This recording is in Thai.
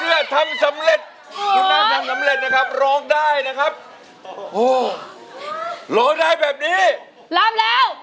น้ำเล็ดคุณน้ำน้ำน้ำเล็ดนะครับร้องได้นะครับโอ้วร้องได้แบบนี้รับแล้ว